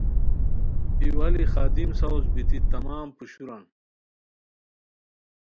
ایوالی خادم ساؤز بیتی تمام پوشوران